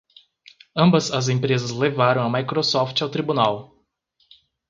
Ambas as empresas levaram a Microsoft ao tribunal.